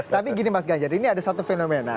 tapi gini mas ganjar ini ada satu fenomena